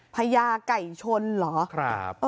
พญาไก่ชนเหรอ